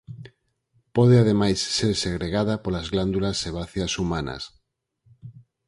Pode ademais ser segregada polas glándulas sebáceas humanas.